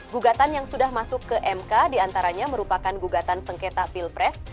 gugatan yang sudah masuk ke mk diantaranya merupakan gugatan sengketa pilpres